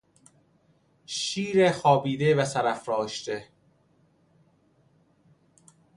شیر خوابیده و سر افراشته